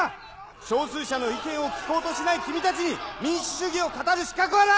少数者の意見を聞こうとしない君たちに民主主義を語る資格はない！